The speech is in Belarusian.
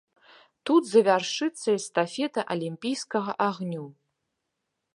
Тут завяршыцца эстафета алімпійскага агню.